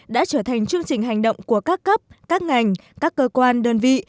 đã trở thành chương trình hành động của các cấp các ngành các cơ quan đơn vị